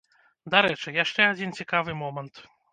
Дарэчы, яшчэ адзін цікавы момант.